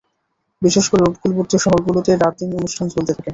বিশেষ করে উপকূলবর্তী শহরগুলোতে রাত-দিন অনুষ্ঠান চলতে থাকে।